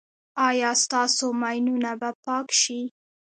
ایا ستاسو ماینونه به پاک شي؟